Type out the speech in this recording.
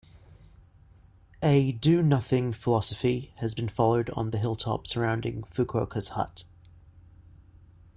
A do nothing philosophy has been followed on the hilltop surrounding Fukuoka's hut.